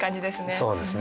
そうですね。